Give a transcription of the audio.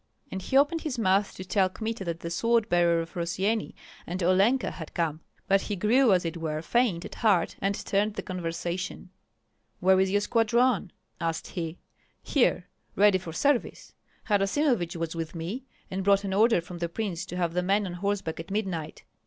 And he opened his mouth to tell Kmita that the sword bearer of Rossyeni and Olenka had come; but he grew as it were faint at heart, and turned the conversation. "Where is your squadron?" asked he. "Here, ready for service. Harasimovich was with me, and brought an order from the prince to have the men on horseback at midnight.